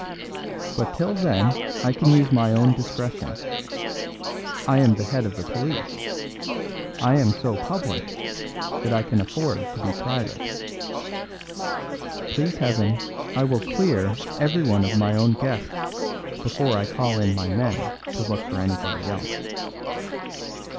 But till then I can use my own discretion. I am the head of the police; I am so public that I can afford to be private. Please Heaven, I will clear everyone of my own guests before I call in my men to look for anybody else.